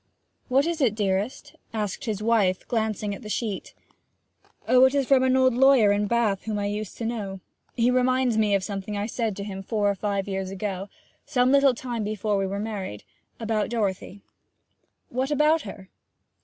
'What is it, dearest?' asked his wife, glancing at the sheet. 'Oh, it is from an old lawyer at Bath whom I used to know. He reminds me of something I said to him four or five years ago some little time before we were married about Dorothy.' 'What about her?'